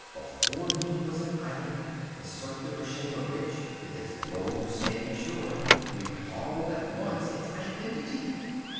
Before me was an island, the circular shape of which, with its low, sandy shore, recalled at once its identity.